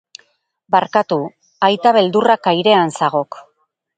Barkatu, aita beldurrak airean zagok.